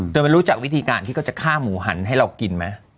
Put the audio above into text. โดยมันรู้จักวิธีการที่เขาจะฆ่าหมูหันให้เรากินไหม